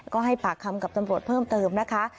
ก็ให้ปากคำกับตำรวจเพิ่มเติมนะคะ